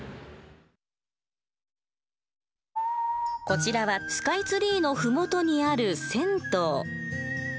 こちらはスカイツリーの麓にある銭湯。